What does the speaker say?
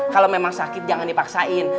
kalau memang sakit jangan dipaksain